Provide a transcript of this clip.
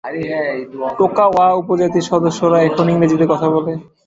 টোঙ্কাওয়া উপজাতির সদস্যরা এখন ইংরেজিতে কথা বলে।